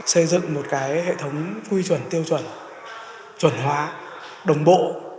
xây dựng một hệ thống quy chuẩn tiêu chuẩn chuẩn hóa đồng bộ